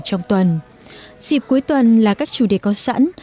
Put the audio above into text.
dịp cuối tuần là các chủ đề có sẵn